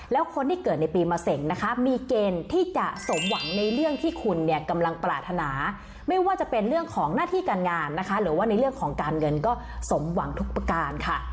แล้วคนที่เกิดในปีมะเสงนะคะมีเกณฑ์ที่จะสมหวังในเรื่องที่คุณเนี่ยกำลังปรารถนาไม่ว่าจะเป็นเรื่องของหน้าที่การงานนะคะหรือว่าในเรื่องของการเงินก็สมหวังทุกประการค่ะ